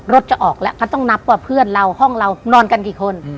จะออกแล้วก็ต้องนับว่าเพื่อนเราห้องเรานอนกันกี่คน